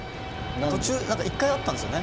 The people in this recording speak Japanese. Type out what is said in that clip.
途中、１回あったんですよね。